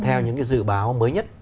theo những cái dự báo mới nhất